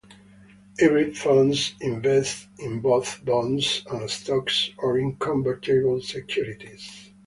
Hybrid funds invest in both bonds and stocks or in convertible securities.